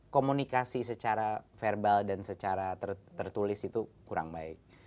komunikasi secara verbal dan secara tertulis itu kurang baik